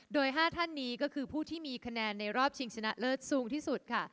โดย๕ท่านนี้ก็คือผู้ที่มีคะแนนในรอบชิงชนะเลิศสูงที่สุดค่ะ